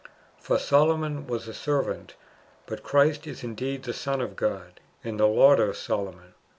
For Solo mon was a servant, but Christ is indeed the Son of God, and the Lord of Solomon.